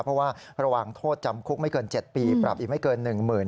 ประวังโทษจำคุกไม่เกิน๗ปีประมาณอีกไม่เกิน๑๔๐๐๐